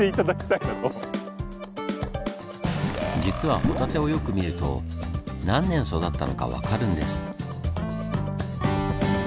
実はホタテをよく見ると何年育ったのか分かるんです。